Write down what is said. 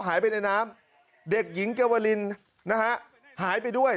หายไปในน้ำเด็กหญิงเกวรินนะฮะหายไปด้วย